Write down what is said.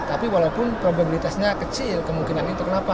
tapi walaupun probabilitasnya kecil kemungkinan itu kenapa